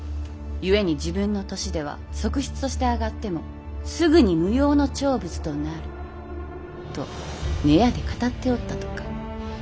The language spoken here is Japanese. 故に自分の年では側室として上がってもすぐに無用の長物となる」と閨で語っておったとか。